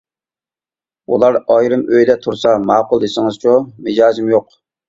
ئۇلار ئايرىم ئۆيدە تۇرسا، ماقۇل دېسىڭىزچۇ؟ مىجەزىم يوق.